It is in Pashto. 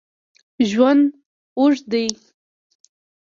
ژوند اوږد دی